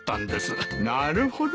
なるほど。